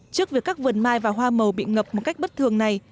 trước việc các vườn mai và hoa màu bị ngập một cách bất thường này